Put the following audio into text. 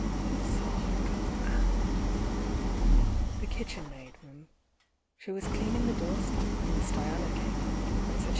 Who saw her go out?" ^J^^ kitchen maid 'm. She was cleaning the doorstep when Miss Diana came out, and said she